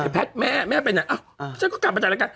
แพทแม่ไม่ไปหน่อยอ๊ะฉันก็กลับมาจัดรายการ